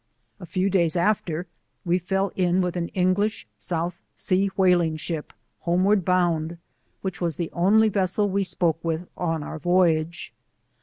A few days after we fell in with au Eng lish South Sea Whaling Ship, homeward bound, which was the only vessel we spoke with on C 18 our voyage.